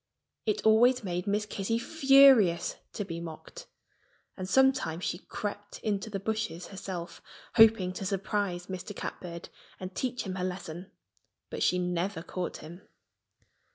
It always made Miss Kitty furious to be mocked. And sometimes she crept into the bushes herself, hoping to surprise Mr. Catbird and teach him a lesson. But she never caught him.